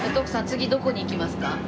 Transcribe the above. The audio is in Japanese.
次どこに行きますか？